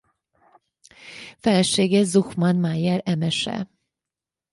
Felesége Suchman-Mayer Emese.